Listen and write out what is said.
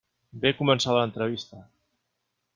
Bé començava l'entrevista.